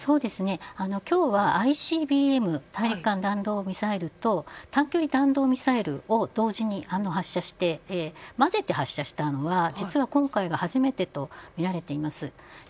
今日はＩＣＢＭ・大陸間弾道ミサイルと短距離弾道ミサイルを同時に発射していて混ぜて発射したのは、実は今回が初めてとみられています。